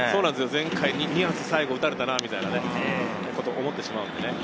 前回２発、最後打たれたなぁみたいなことを思ってしまうんでね。